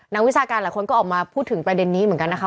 วิชาการหลายคนก็ออกมาพูดถึงประเด็นนี้เหมือนกันนะคะ